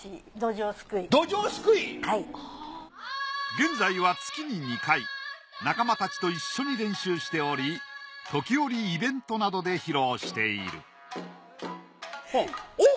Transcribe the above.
現在は月に２回仲間たちと一緒に練習しており時折イベントなどで披露しているおっ！